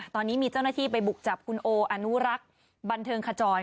ตอนนี้มีเจ้าหน้าที่ไปบุกจับคุณโออนุรักษ์บันเทิงขจร